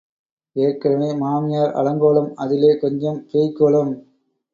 ஏற்கனவே மாமியார் அலங்கோலம் அதிலே கொஞ்சம் பேய்க் கோலம்.